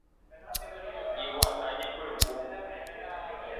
Iguata ñepyrũmby.